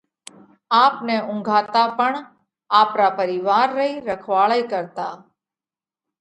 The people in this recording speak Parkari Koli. آپ نہ اُونگھاتا پڻ آپرا پرِيوَار رئِي رکواۯئِي ڪرتا۔